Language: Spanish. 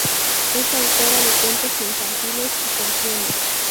Es autora de cuentos infantiles y canciones.